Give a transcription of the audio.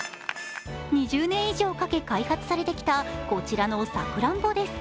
２０年以上かけ開発されてきたこちらのさくらんぼです。